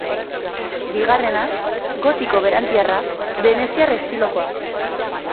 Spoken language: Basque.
Bigarrena gotiko berantiarra, veneziar estilokoa.